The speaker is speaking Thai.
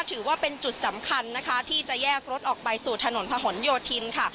ถือว่าเป็นจุดสำคัญนะคะที่จะแยกรถออกไปสู่ถนนพะหนโยธินค่ะ